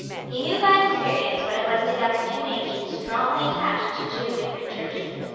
He knew by experience what it was to govern two nations strongly attached to two different Churches.